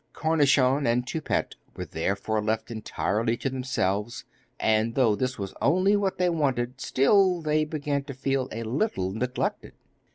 Cornichon and Toupette were therefore left entirely to themselves, and though this was only what they wanted, still, they began to feel a little neglected.